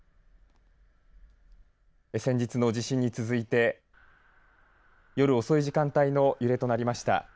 先日の地震に続いて夜遅い時間帯の揺れとなりました。